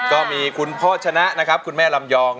ก็มีคุณพ่อชนะนะครับคุณแม่ลำยอง